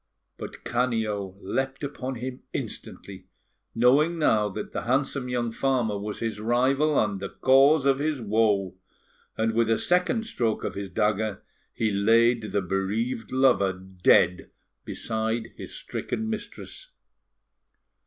But Canio leapt upon him instantly, knowing now that the handsome young farmer was his rival and the cause of his woe; and with a second stroke of his dagger, he laid the bereaved lover dead beside his stricken mistress.